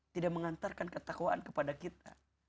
tidak mengantarkan ketakwaan kepada kita